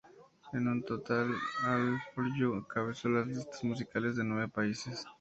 En total "All for you" encabezó las listas musicales de nueve países.